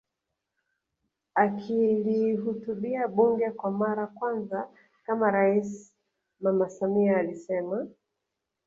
Akilihutubia bunge kwa mara kwanza kama rais Mama Samia alisema